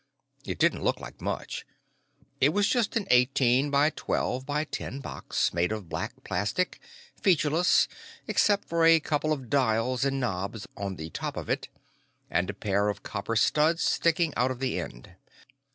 It didn't look like much; it was just an eighteen by twelve by ten box, made of black plastic, featureless, except for a couple of dials and knobs on the top of it, and a pair of copper studs sticking out of the end.